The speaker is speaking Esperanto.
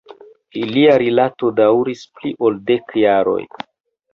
Ilia rilato daŭris pli ol dek jaroj.